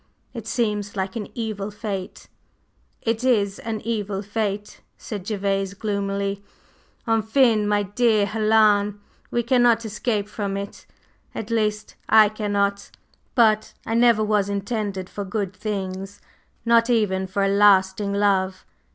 It seems like an evil fate." "It is an evil fate," said Gervase gloomily. "Enfin, my dear Helen, we cannot escape from it, at least, I cannot. But I never was intended for good things, not even for a lasting love.